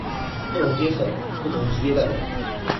不同階層、不同職業代表